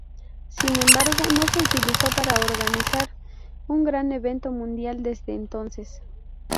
Sin embargo, no se utilizó para organizar un gran evento mundial desde entonces.